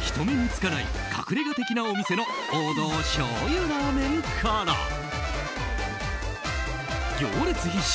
人目につかない隠れ家的なお店の王道しょうゆラーメンからそして、行列必至！